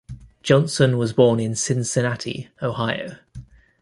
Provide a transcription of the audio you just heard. Johnson was born in Cincinnati, Ohio.